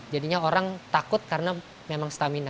jadinya orang takut karena memang stamina